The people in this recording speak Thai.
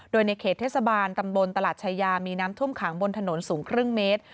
โดยในเขตเทศบาลตำบลตลาดชายามีน้ำท่วมขังบนถนนสูงครึ่งเมตร